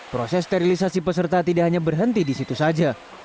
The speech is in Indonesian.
proses sterilisasi peserta tidak hanya berhenti di situ saja